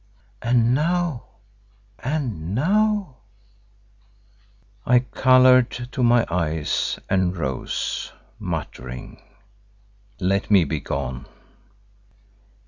And now, and now——?" I coloured to my eyes and rose, muttering, "Let me be gone!"